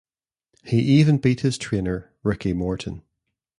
He even beat his trainer, Ricky Morton.